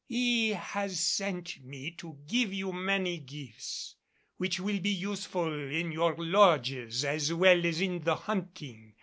"He has sent me to give you many gifts which will be useful in your lodges as well as in the hunting.